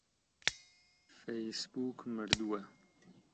فەیسبووک مردووە.